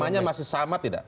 namanya masih sama tidak